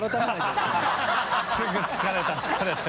すぐ「疲れた疲れた」